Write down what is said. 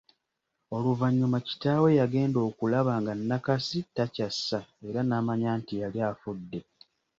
Oluvanyuma kitaawe yagenda okulaba nga Nakasi takyassa era naamanya nti yali afudde.